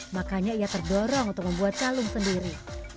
makanya ia terdorong untuk membuat calung sendiri